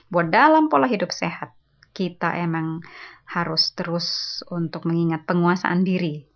buat dalam pola hidup sehat kita emang harus terus untuk mengingat penguasaan diri